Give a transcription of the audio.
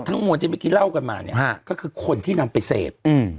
มวลที่เมื่อกี้เล่ากันมาเนี่ยก็คือคนที่นำไปเสพอืม